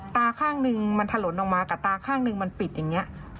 ตาข้างหนึ่งมันถลนออกมากับตาข้างหนึ่งมันปิดอย่างนี้